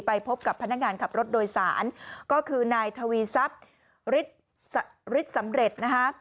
ไปพบกับพนักงานขับรถโดยสารก็คือนายทวีซับริสำเร็จ